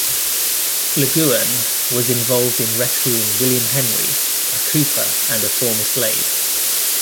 Loguen was involved in rescuing William Henry, a cooper and a former slave.